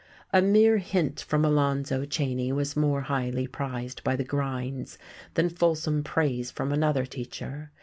A mere hint from Alonzo Cheyne was more highly prized by the grinds than fulsome praise from another teacher.